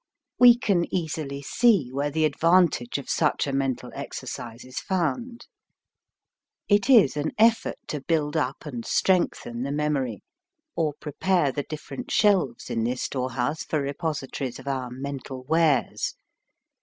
We can easily see where the advantage of such a mental exercise is found. It is an effort to build up and strengthen the memory, or prepare the different shelves in this storehouse for reposi tories of our mental wares.